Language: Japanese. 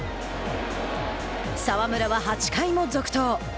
澤村は８回も続投。